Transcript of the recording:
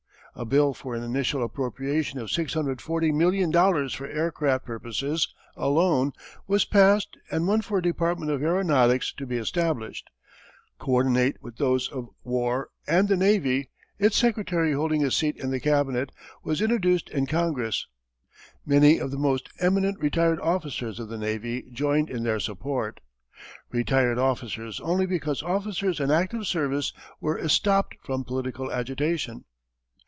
A bill for an initial appropriation of $640,000,000, for aircraft purposes alone, was passed and one for a Department of Aeronautics to be established, co ordinate with those of War and the Navy, its secretary holding a seat in the cabinet, was introduced in Congress. Many of the most eminent retired officers of the navy joined in their support. Retired officers only because officers in active service were estopped from political agitation.